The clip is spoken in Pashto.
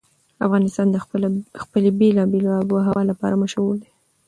افغانستان د خپلې بېلابېلې آب وهوا لپاره مشهور دی.